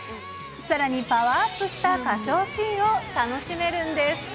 さらにパワーアップした歌唱シーンを楽しめるんです。